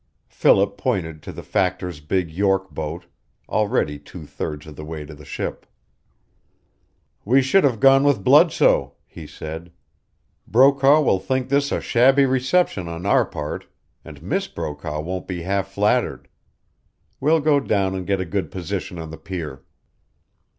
Philip pointed to the factor's big York boat, already two thirds of the way to the ship. "We should have gone with Bludsoe," he said. "Brokaw will think this a shabby reception on our part, and Miss Brokaw won't be half flattered. We'll go down and get a good position on the pier."